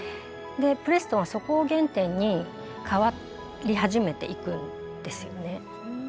プレストンはそこを原点に変わり始めていくんですよね。